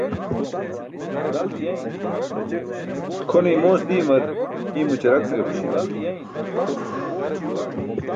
Kʰone imoos diimar iymo ćarak ce gaṭum juwan.